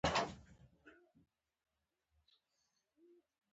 د انځور کیفیت مې لوړ کړ.